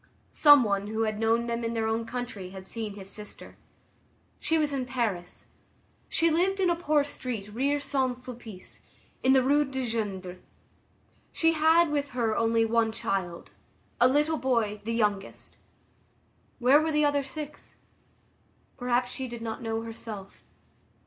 Some one who had known them in their own country had seen his sister. She was in Paris. She lived in a poor street near Saint Sulpice, in the Rue du Gindre. She had with her only one child, a little boy, the youngest. Where were the other six? Perhaps she did not know herself.